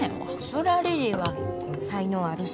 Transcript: そりゃリリーは才能あるし。